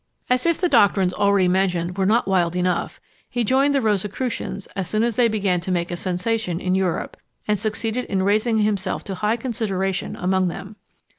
As if the doctrines already mentioned were not wild enough, he joined the Rosicrucians as soon as they began to make a sensation in Europe, and succeeded in raising himself to high consideration among them.